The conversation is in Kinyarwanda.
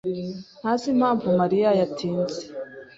ntazi impamvu Mariya yatinze.